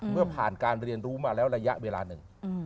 เมื่อผ่านการเรียนรู้มาแล้วระยะเวลาหนึ่ง